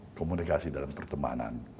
ya komunikasi dan pertemanan